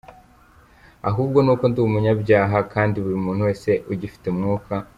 Ahubwo nuko ndi umnyabyaha nka buri muntu wese ugifite umwuka.